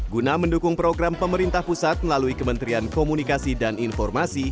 guna mendukung program pemerintah pusat melalui kementerian komunikasi dan informasi